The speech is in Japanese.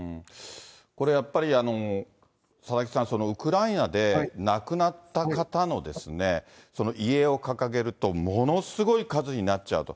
これやっぱり佐々木さん、ウクライナで亡くなった方の遺影を掲げると、ものすごい数になっちゃうと。